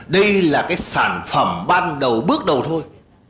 đây là cái sản phẩm ban đầu bước đầu thôi